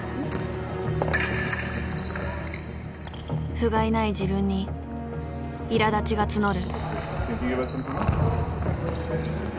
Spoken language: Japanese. ふがいない自分にいらだちが募る。